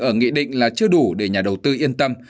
ở nghị định là chưa đủ để nhà đầu tư yên tâm